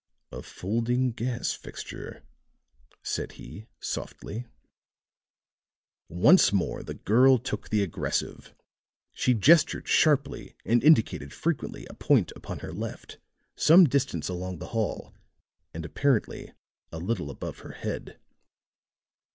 "A folding gas fixture," said he, softly. Once more the girl took the aggressive; she gestured sharply and indicated frequently a point upon her left, some distance along the hall, and apparently a little above her head.